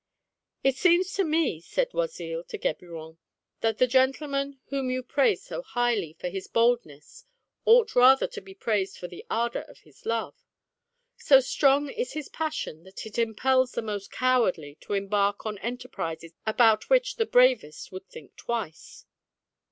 " It seems to me," said Oisille to Geburon, " that the gentleman whom you praise so highly for his boldness ought rather to be praised for the ardour of his love. So strong is this passion, that it impels the most cowardly to embark on enterprises about which the bravest would think twice."